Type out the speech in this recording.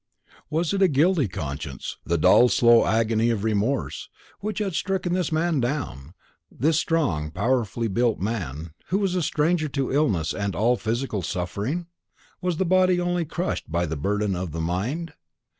Was it a guilty conscience, the dull slow agony of remorse, which had stricken this man down this strong powerfully built man, who was a stranger to illness and all physical suffering? Was the body only crushed by the burden of the mind?